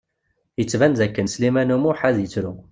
Yettban d akken Sliman U Muḥ ad yettru.